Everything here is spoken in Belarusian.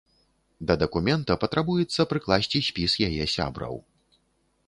Да дакумента патрабуецца прыкласці спіс яе сябраў.